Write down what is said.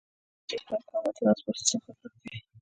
په دې ښار کې د عامه ترانسپورټ سیسټم ښه کار کوي